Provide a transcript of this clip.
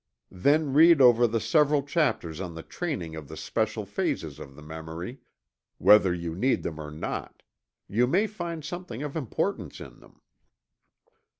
Then read over the several chapters on the training of the special phases of the memory, whether you need them or not you may find something of importance in them.